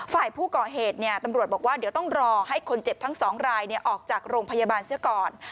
ฝ่ายผู้ก่อเหตุตำรวจบอกว่าเดี๋ยวต้องรอให้คนเจ็บทั้งสองรายออกจากโรงพยาบาลเสียก่อน